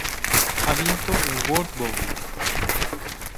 Ha vinto un World Bowl.